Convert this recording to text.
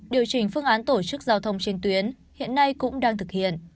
điều chỉnh phương án tổ chức giao thông trên tuyến hiện nay cũng đang thực hiện